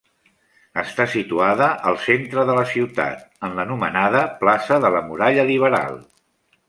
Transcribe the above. Està situada al centre de la ciutat, en l'anomenada plaça de la Muralla Liberal.